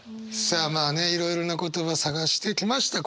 さあまあねいろいろな言葉探してきました